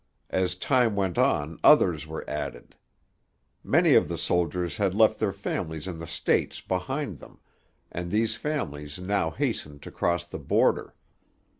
As time went on others were added. Many of the soldiers had left their families in the States behind them, and these families now hastened to cross the border.